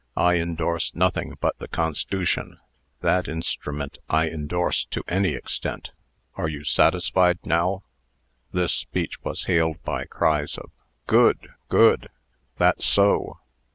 I indorse nothing but the Cons'tution. That instrument I indorse to any extent. Are you satisfied now?" This speech was hailed by cries of "Good! good!" "That's so!"